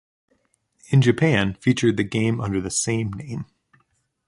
In Japan, featured the game under the same name.